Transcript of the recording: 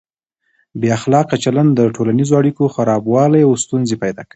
بې اخلاقه چلند د ټولنیزو اړیکو خرابوالی او ستونزې پیدا کوي.